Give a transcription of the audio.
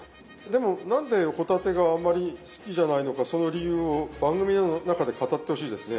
でも何で帆立てがあまり好きじゃないのかその理由を番組の中で語ってほしいですね。